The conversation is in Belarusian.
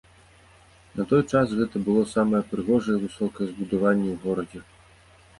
На той час гэта было самае прыгожае і высокае збудаванне ў горадзе.